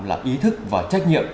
là ý thức và trách nhiệm